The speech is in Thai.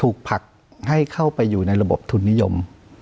ผลักให้เข้าไปอยู่ในระบบทุนนิยม